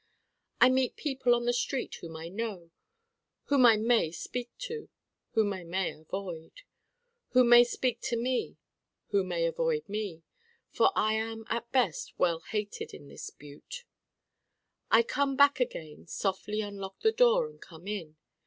I meet people on the street whom I know, whom I may speak to, whom I may avoid: who may speak to me: who may avoid me: for I am at best well hated in this Butte. I come back again, softly unlock the door and come in.